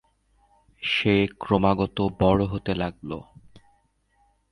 সে ক্রমাগত বড় হতে লাগল।